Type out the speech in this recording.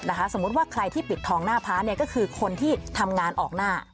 สมมุติว่าใครที่ปิดทองหน้าพระเนี่ยก็คือคนที่ทำงานออกหน้า